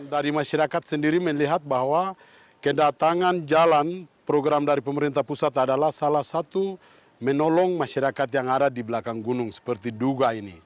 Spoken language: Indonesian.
dari masyarakat sendiri melihat bahwa kedatangan jalan program dari pemerintah pusat adalah salah satu menolong masyarakat yang ada di belakang gunung seperti duga ini